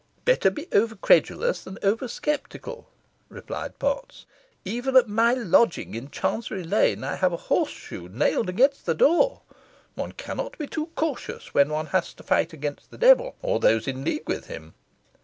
"Better be over credulous than over sceptical," replied Potts. "Even at my lodging in Chancery Lane I have a horseshoe nailed against the door. One cannot be too cautious when one has to fight against the devil, or those in league with him.